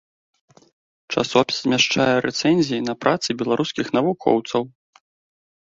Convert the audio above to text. Часопіс змяшчае рэцэнзіі на працы беларускіх навукоўцаў.